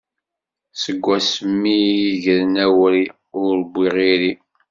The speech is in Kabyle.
Seg wass mi i yi-gren awri, ur wwiɣ iri.